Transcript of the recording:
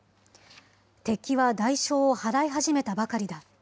敵は代償を払い始めたばかりだ。